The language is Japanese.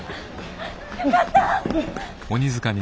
よかった！